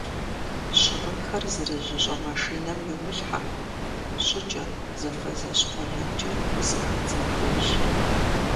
Щыгъынхэр зэрыжьыщӏэ машинэм йумылъхьэ щӏыкӏэ зэфэзэщ-къуэлэнкӏэ зэхэдзын хуейщ.